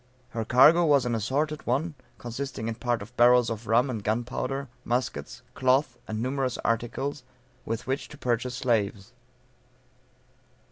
Her cargo was an assorted one, consisting in part of barrels of rum, and gunpowder, muskets, cloth, and numerous articles, with which to purchase slaves.